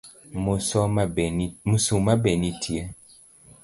Musoma be nitie?